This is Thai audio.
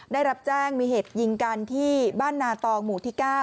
ได้รับแจ้งมีเหตุยิงกันที่บ้านนาตองหมู่ที่๙